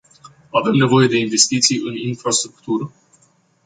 Avem nevoie de investiții în infrastructură.